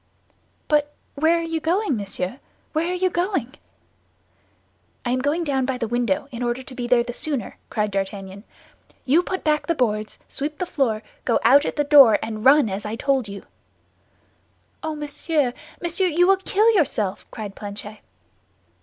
"But where are you going, monsieur, where are you going?" "I am going down by the window, in order to be there the sooner," cried D'Artagnan. "You put back the boards, sweep the floor, go out at the door, and run as I told you." "Oh, monsieur! Monsieur! You will kill yourself," cried Planchet.